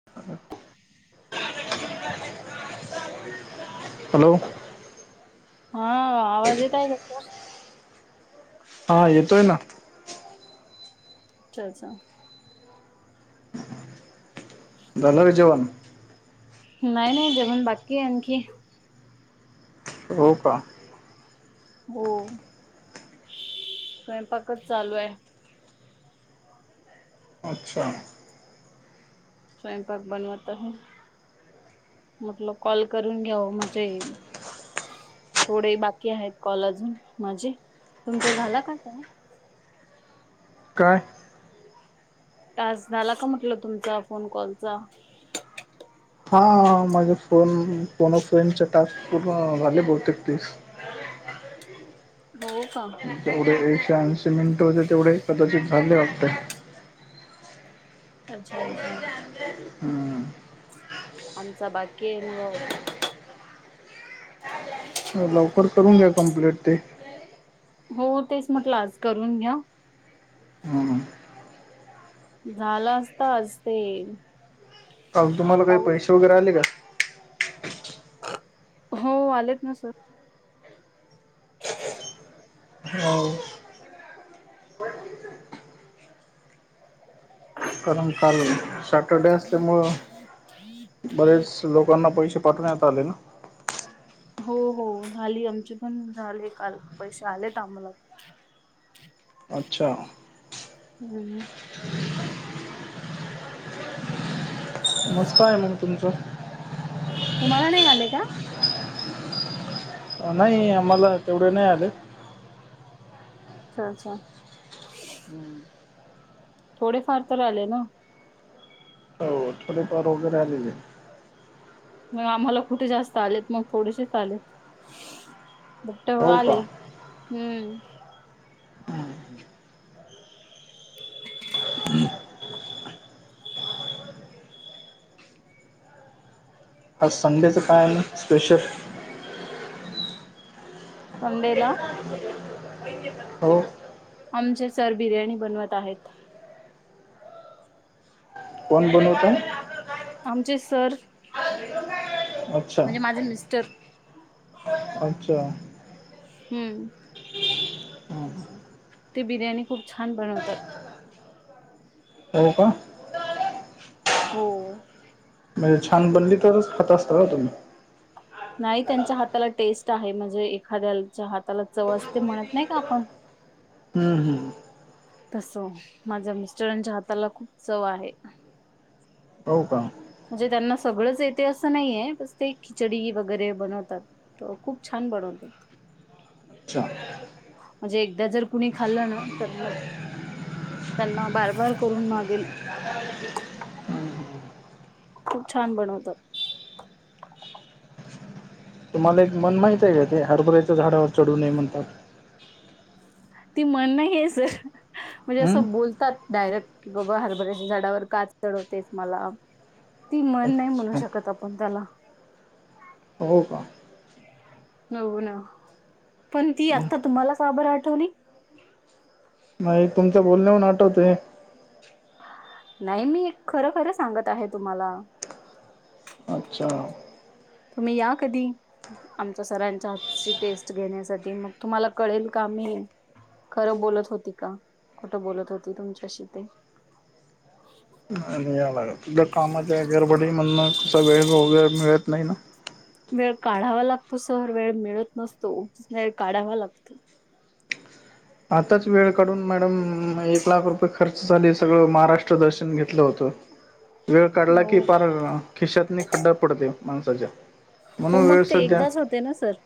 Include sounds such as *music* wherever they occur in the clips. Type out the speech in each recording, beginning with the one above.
*unintelligible* Hello! हा आवाज येत आहे का *unintelligible* हा येतोय ना! *unintelligible* झालं काय जेवणं? नाही नाही जेवण बाकी य आणखी. हो का? हो स्वयंपाकच चालू आहे. अच्छा! स्वयंपाक बनवत आहे. म्हटलं कॉल करून घ्याव म्हणजे थोडे बाकी आहेत कॉल अजून माझे. तुमचा झाला का कॉल? काय? टास्क झाला का म्हटलं तुमचा फोन कॉलचा? हा माझे फोन -फोन अ फ्रेंड चे टास्क पूर्ण झाले बहुतेक तीस. हो का? तेवढे एकशे ऐंशी मिनिटं होते तेवढे कदाचित झाले वाटते. अच्छा! अच्छा! हम्म. आमचा बाकी आहे न वॉवचर. हो लवकर करून घ्या कंप्लीट ते. हो तेच म्हटलं आज करून घ्या. हम्म. झाला असत आज ते. काल तुम्हाला काही पाऊस पैशे वगैरे आले का? हो आलेत ना सर. *inaudible* *inaudible* हो कारण काल सॅटरडे असल्यामुळं? बरेच लोकांना पैशे पाठवण्यात आले ना? हो हो झाली. आमची पण झाले काल पैसे आलेत आम्हाला अच्छा! हम्म मस्तय मग तुमचं? तुम्हाला नाही आले का? नाही आम्हाला तेवढे नाही आलेत अच्छा! अच्छा *inaudible* हं थोडे फार तरी आले ना? थोडे फार वगैरे आलेलेत मग आम्हाला कुठें जास्त आलेत, मग थोडेशेच आलेत फक्त हो *unintelligible* का आले हम्म *inaudible* आज संडेचं काय म स्पेशल? संडेला? हो आमचे सर बिर्याणी बनवत आहेत कोण बनवतय? आमचे सर, अच्छा म्हणजे माझे मिस्टर अच्छा! हम्म हं. ते बिर्याणी खूप छान बनवतात हो का? हो हम्, छान हो बनली तरच खात असताल ना तुम्ही? नाही त्यांच्या हाताला टेस्ट आहे. म्हणजे एखाद्याच्या हाताला चव असते म्हणत नाही का आपण? *inaudible* हम्म हम् तसं माझ्या मिस्टरांच्या हाताला खूप चव आहे. हो का? म्हणजे त्यांना सगळंच येते असं नाहीये बस ते खिचडी वगैरे बनवतात. हो खूप छान बनवतात अच्छा म्हणजे एकदा जर कुणी खाल्लं ना तर मग त्यांना बारबार करून मागेल खूप छान बनवतात तुम्हाला एक म्हन माहितय का? ते हरबराच्या झाडावर चढू नये म्हणतात. ती म्हण नाहीय, सर म्हणजे हं? असं बोलतात डायरेक्ट की बाबा हरभऱ्याच्या झाडावर का चढवतेस मला? ती म्हण नाही, म्हणू अच्छा शकत आपण त्याला हो का? हो ना, पण ती मग आता तुम्हाला का बंर आठवली? एक तुमच्या बोलण्यावून आठवतय नाही मी खर खर सांगत आहे तुम्हाला. अच्छा. तुम्ही या कधीही. आमच्या सरांच्या हातची टेस्ट घेण्यासाठी मग तुम्हाला कळेल का मी. खर बोलत होती का खोट बोलत होती तुमच्याशी ते. *unintelligible* कामाच्या गरबडीमधून असा वेळ वगैरे मिळत नाही ना. वेळ काढावा लागतो सर वेळ मिळत नसतो वेळ काढावा लागतो. आताच वेळ काढून मॅडम एक लाख रुपये खर्च झाले सगळ महाराष्ट्र दर्शन घेतल होत. *inaudible* वेळ काढला की हो पार खिशातनी खड्डा पडतय माणसाच्या. हो म्हणून मग वेळ ते सध्या एकदाच होते ना सर.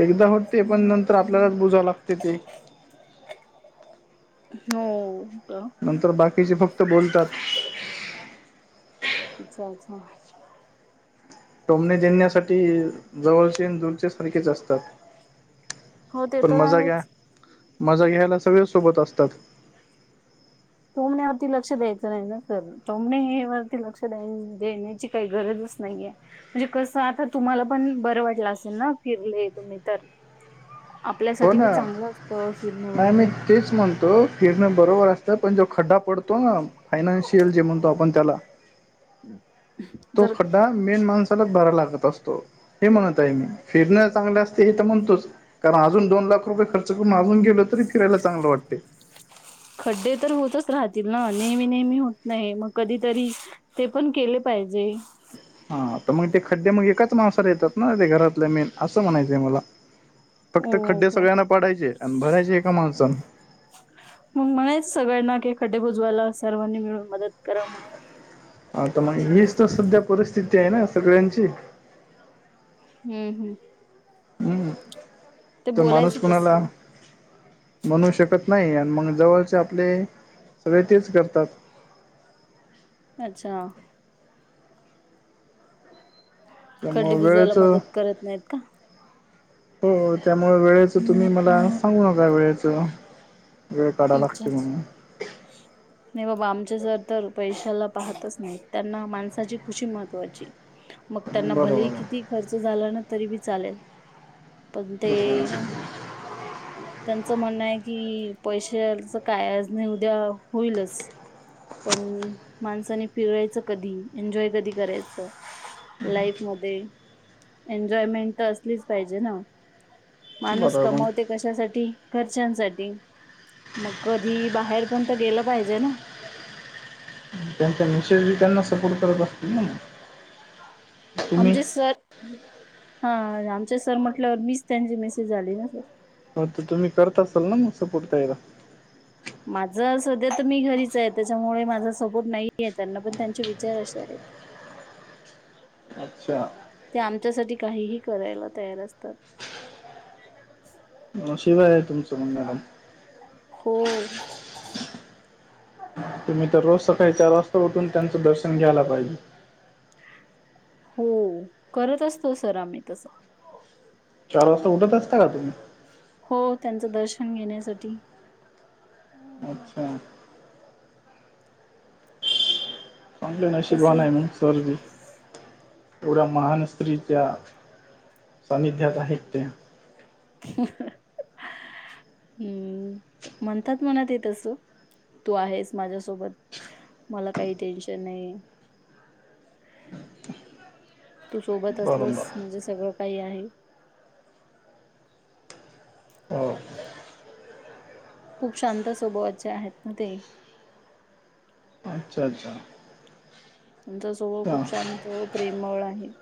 एकदा होते पण नंतर आपल्यालाच बुजाव लागते ते. हो. नंतर बाकीचे फक्त बोलतात. अच्छा अच्छा. टोमणे देण्यासाठी जवळचे दुरचे सारखेच असतात. हो ते पण तर मजा घ्या आहेच मजा घ्यायला सगळे सोबत असतात. टोमण्यावरती लक्ष द्यायच नाही ना सर. टोमणे हे वरती लक्ष द देण्याची काही गरजच नाहीये. म्हणजे कस आता तुम्हाला पण बर वाटल असेल ना फिरले तुम्ही तर, हो आपल्यासाठी बी ना. चांगल असतं फिरण नाही मी वगैरे, तेच म्हणतो फिरण बरोबर असत. पण जो खड्डा पडतो ना फायनान्शियल जे म्हणतो आपण त्याला हम्म तो खड्डा मेन माणसालाच भारायला लागत असतो हे म्हणत आहे मी, फिरण चांगल असते हे तर म्हणतोच कारण अजून दोन लाख रुपये खर्च, ण अजून गेलो तरी फियला चांगल वाटते. खड्डे तर होतच राहतील ना नेहमी नेहमी होत नाही मग कधीतरी, ते पण केले पाहिजे. हा तर मग ते खड्डे मग एकाच माणसाला येतात ना ते घरातल्या मेन अस म्हणायचय मला. फक्त हो खड्डे का सगळ्यान पाडायचे आणि भरायचे एका माणसान. मग म्हणायचं सगळ्यांना की खड्डे बुजवायला सर्वांनी मिळून मदत करा म्हणून. आता मग हीच तर सध्या परिस्थिती आहे ना सगळ्यांची. हम्म हम्म हम्म तर माणुस बोलायचं तस कोणाला, म्हणू शकत नाही आणि मग जवळचे आपले सगळे तेच करतात. अच्छा, खड्डे त्यामुळे बुजवायला वेळेचं मदत करत नाहीत का, हो त्यामुळे वेळेच तुम्ही मला सांगू नका वेळेच, अच्छा नाही बाबा आमचे सर तर पैशाला पाहतच नाही त्यांना माणसाची खुशी महत्त्वाची. मग त्यांना भलेही बरोबर किती खर्च झाला ना तरी बी चालेल. पण ते आहे त्यांच म्हणण आहे कि पैशाच काय नाही उद्या होईलच. पण माणसानी फिरायचं कधी, एन्जॉय कधी करायचं. लाईफ मध्ये, एन्जॉयमेंट तर असलीच पाहिजे ना. माणूस बरोबर मग कमवते कशासाठी, घरच्यांसाठी. मग कधी, बाहेर पण तर गेलं पाहिजे ना, त्यांच्या मिसेस बी त्यांना सपोर्ट करत असतील ना मग, तुम्ही आमचे सर, हा आमचे सर म्हटल्यावर मीच त्यांचे मेसेज झाले ना सर, हो तर, तुम्ही करत असाल ना मग सपोर्ट तयला. माझं सध्या तर मी घरीच आहे, त्याच्यामुळे माझा सपोर्ट नाही आहे त्यांना, पण त्यांचे विचार असे आहेत. अच्छा. ते आमच्यासाठी काहीही करायला तयार असतात. नशीब आहे तुमचं म्हणून. हो. तुम्ही तर रोज सकाळी चार वाजता उठून त्याच दर्शन घ्यायला पाहिजे. हो, करत असतो सर आम्ही तसं. चार वाजता उठत असता का तुम्ही. हो त्याचं दर्शन घेण्यासाठी. अच्छा. म्हणलं नशीब वान तसे आहे, मग सर बी, एवढ्या महान स्त्रीच्या सान्निध्यात आहेत त्या. हम्म, म्हणतात म्हनात तस. तू आहेस माझ्यासोबत, मला काही टेन्शन नाही. तू सोबत बरोबर असलस, म्हणजे सगळं काही आहे. हो. खूप शांत स्वभावा चे आहेत ना ते. अच्छा-अच्छा आमचा स्वभाव खूप शांत, प्रेमळ आहे.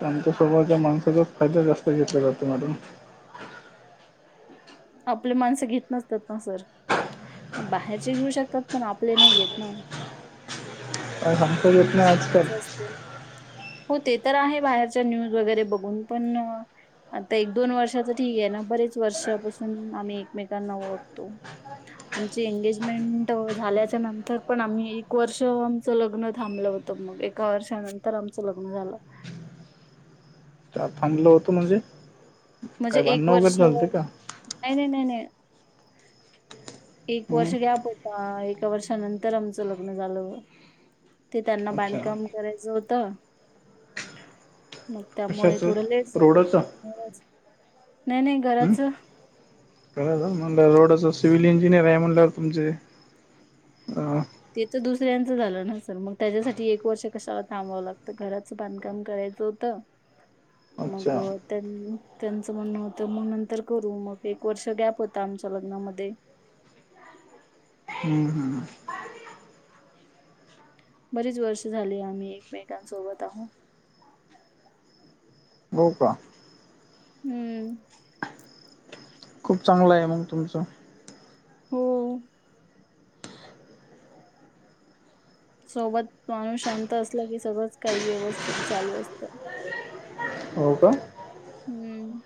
शांत स्वभावाच्या माणसाचाच फायदा जास्त घेतला जातो, मॅडम. आपले माणसं घेत नसतात ना सर, बाहेरचे घेऊ शकतात पण आपले नाही घेत ना. काय सांगता येत नाही, आजकाल. असं हो ते तर आहे, बाहेरच्या न्यूज वगैरे बघून पण आता एक, दोन वर्षाच ठीक आहे ना, बरेच वर्षापासून आम्ही एकमेकांना ओळखतो. आमची एंगेजमेंट झाल्याच्या नंतर पण आम्ही एक वर्ष आमचं लग्न थांबलं होत. तर मग एका वर्षानंतर आमचं लग्न झालं. का थांबलं होतं म्हणजे. म्हणजे काय एक भांडणं वर्ष. वगैरे झालते का नाही-नाही-नाही-नाही एक हं. वर्ष गॅप. हा, एका वर्षानंतर आमचं लग्न झालं. ते त्यांना अच्छा बांधकाम करायचं होतं मग त्यामुळे कशाचं थोडं लेट झालं, रोडाचं नाही-नाही. हम्म, म्हण रोडच सिव्हल इंजिनियर आहे म्हणल्यावर तुमचे. हा. ते तर दुसऱ्यांचं झालं ना सर मग त्याच्यासाठी एक वर्ष कशाला थांबावावं लागतं घराच बांधकाम करायचं. होत, अच्छा मग त्याचं म्हणणं होतं मग नंतर करू मग एक वर्ष गॅप होता आमच्या लग्नामध्ये. हम्म-हम्म. बरीच वर्ष झाली आम्ही एकमेकांसोबत आहो हो का? हम्म. खूप चांगलं हाय मग तुमचं? होय. सोबत माणूस शांत असला की सगळंच काही व्यवस्थित चालू असतं. हो का? हम्म.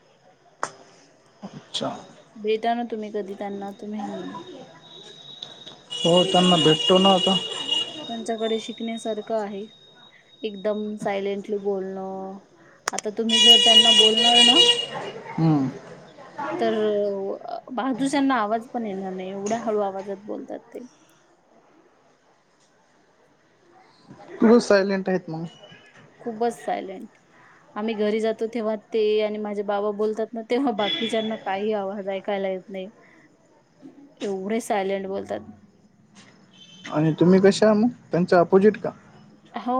अच्छा. भेटा ना तुम्ही कधी त्यांना तुम्ही. हे हो त्यांना भेटतो ना आता. त्यांच्याकडे शिकण्यासारखं आहे. एकदम सायलेंटली बोलणं, आता तुम्ही जर त्यांना बोलणार ना? हम्म. तर बाजुच्याना आवाज पण येणार नाही, एवढ्या हळू आवाजात बोलतात ते. खूप सायलेंट आहेत मग. खूपच सायलेंट. आम्ही घरी जातो तेव्हा, ते आणि माझे बाबा बोलतात ना तेव्हा बाकीच्याना काही आवाज ऐकायला येत नाही, एवढे सायलेंट बोलतात. आणि तुम्ही कशा आ मग, त्यांचा अपोजिट का? हो,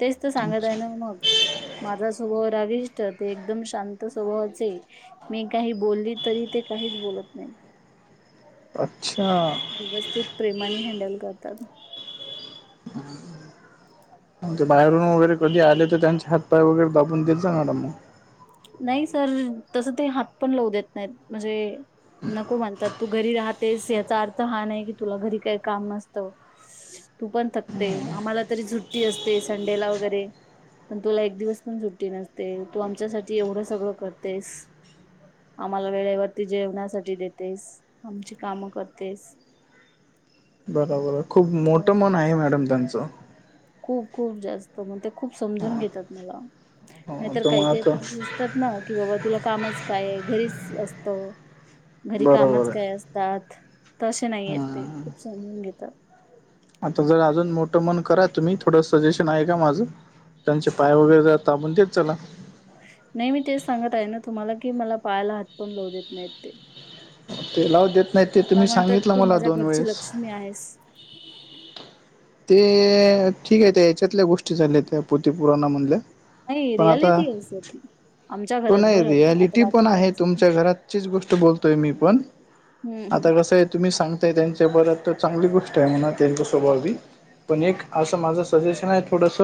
तेच तर सांगत आहे अच्छा ना मग. माझा स्वभाव राविष्ट, ते एकदम शांत स्वभावाचे. मी काही बोलली तरी ते काहीच बोलत नाहीत. अच्छा. व्यवस्थित प्रेमाने हँडल करतात. *unintelligible* म्हणजे बाहेरून वगैरे कधी आले तर त्यांचे हातपाय वगैरे दाबून देत जा मॅडम मग. नाही सर, तसं ते हात पण लाव देत नाहीत. म्हणजे नको म्हणतात. तू घरी राहतेस याचा अर्थ हा नाही की तुला घरी काय काम नसतं. तू पण थकते, आम्हाला तरी सुट्टी असते संडेला वगैरे. पण तुला एक दिवस पण सुट्टी नसते, तू आमच्यासाठी एवढं सगळं करतेस. आम्हाला वेळेवरती जेवण्यासाठी देतेस, आमची कामं करतेस. बरोबर हाय, खूप मोठं मन त्यामुळे आहे मॅडम त्यांच. खूप, खूप जास्त म ते खूप समजून घेत्यात मला. हो नाहीतर तर काही, मग काही आता पुरुष रुसतात ना. कि बाबा तुला कामच काय घरीच असतं, घरी कामच बरोबर आहे काय असत. त्यात, तसेे नाहीय ते हम्म खूप समजून घेतात. आता जर अजून मोठं मन करा तुम्ही थोडं सजेशन ऐका माझं. त्यांचे पाय वगैरे ताबुन देत चला. नाही मी तेच सांगत आहे ना तुम्हाला, की मला पायाला हात पण लावू देत नाही ते. ते लावू देत नाहीत. मला म्हणतात, तू माझ्या घरची लक्ष्मी आहेस. ते ठीक आहे, त्या ह्याच्यातल्या गोष्टी झाल्या त्या पोती पुराणामधल्या. नाही, रियालिटी आहे सर ती. आमच्या घरात पण आहे, बरं आता रियालिटी पण आहे बाकीच्यांच तुमच्या घरात? चीच गोष्ट बतोय मी पण हम्म हम्म आता कस आय तुम्ही सां ताय त्यांच्या बरत तर चांगली गोष्ट आय म्हणा त्यांच्या स्वभावी. पण एक असं माझं सजेशन हाय थोडस.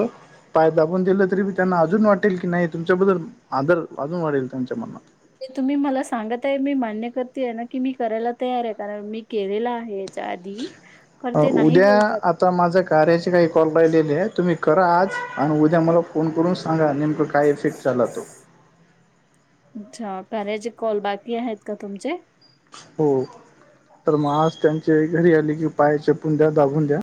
पाय दाबून दिलं तरी बी त्यांना अजून वाटेल की नाय तुमच्याबद्दल आदर अजून वाढेल त्यांच्या मनात. ते तुम्ही मला सांगत आहे मी मान्य करतीयेना की मी करायला तयार आहे कारण मी केलेलं आहे. च्या आधी पण ते नाही उद्या बोलतात. आता माझ्या कार्याचे काही कॉल राहिलेले आयत तुम्ही करा आज आणि उद्या मला फोन करून सांगा नेमकं काय इफेक्ट चालातो. अच्छा प्याऱ्याचे कॉल बाकी आहेत का तुमचे? हो तर मग आज त्यांचे घरी आले की पाया चेपुन द्या दाबून द्या.